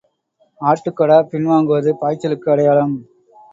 ஆட்டுக்கடா பின் வாங்குவது பாய்ச்சலுக்கு அடையாளம்.